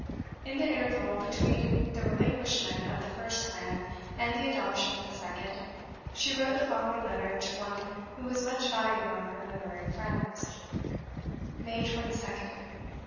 In the interval between the relinquishment of the first plan and the adoption of the second, she wrote the following letter to one who was much valued among her literary friends: "May 22nd.